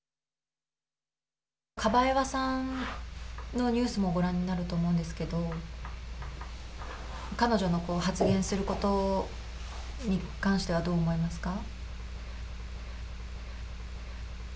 カバエワさんのニュースもご覧になると思うんですけど彼女の発言することに関してはどう思いますか。